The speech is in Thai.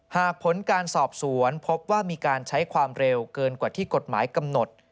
หากผลการสอบสวนพบว่ามีการใช้ความเร็วเกินกว่าที่กฎหมายกำหนด